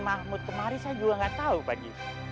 mahmud kemari saya juga gak tahu pak haji